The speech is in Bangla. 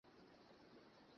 তোমার জন্য স্পেশালভাবে তৈরি।